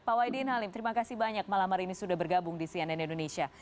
pak wahidin halim terima kasih banyak malam hari ini sudah bergabung di cnn indonesia